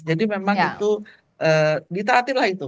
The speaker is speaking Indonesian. jadi memang itu ditaatilah itu